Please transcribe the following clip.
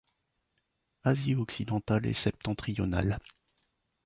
Asie occidentale et septentrionale.